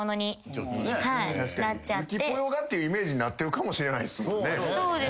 ゆきぽよがっていうイメージになってるかもしれないっすもんね。